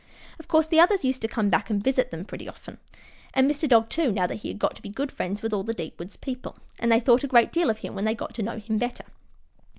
Of course the others used to come back and visit them pretty often, and Mr. Dog, too, now that he had got to be good friends with all the Deep Woods people, and they thought a great deal of him when they got to know him better.